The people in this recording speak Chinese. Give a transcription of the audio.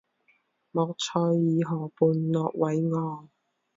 莫塞尔河畔诺韦昂。